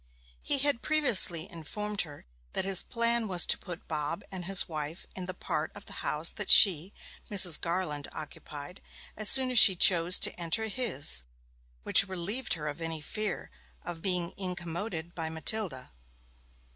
He had previously informed her that his plan was to put Bob and his wife in the part of the house that she, Mrs. Garland, occupied, as soon as she chose to enter his, which relieved her of any fear of being incommoded by Matilda.